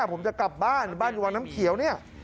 ผมจะกลับบ้านบ้านอยู่วังน้ำเขียวเนี่ย